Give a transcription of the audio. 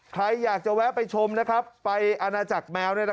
ใครอยากจะแวะไปชมไปอาณาจักรแมว